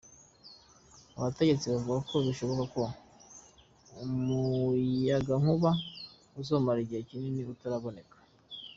Abategetsi bavuga ko bishoboka ko umuyagankuba uzomara igihe kinini utaraboneka.